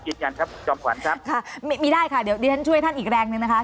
ยืนยันครับคุณจอมขวัญครับค่ะมีได้ค่ะเดี๋ยวดิฉันช่วยท่านอีกแรงหนึ่งนะคะ